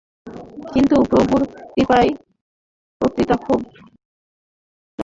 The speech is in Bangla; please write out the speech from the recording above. কিন্তু প্রভুর কৃপায় বক্তৃতা খুব সাফল্যমণ্ডিত হয়েছে।